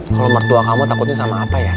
kalau mertua kamu takutnya sama apa ya